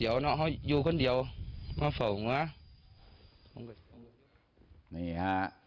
อยู่คนเดียวตลอดอยู่เอง